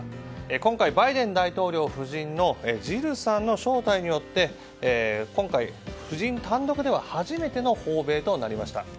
今回、バイデン大統領夫人のジルさんの招待によって今回、夫人単独では初めての訪米となりました。